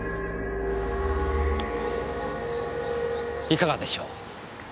いかがでしょう。